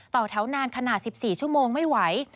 แถวนานขนาด๑๔ชั่วโมงไม่ไหว